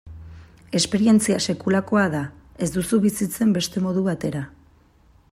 Esperientzia sekulakoa da, ez duzu bizitzen beste modu batera.